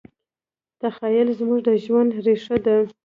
تخیل زموږ د ژوند ریښه ده.